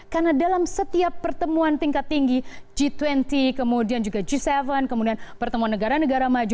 karena dalam setiap pertemuan tingkat tinggi g dua puluh g tujuh pertemuan negara negara maju